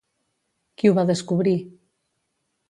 Qui ho va descobrir?